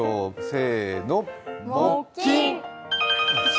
せーの。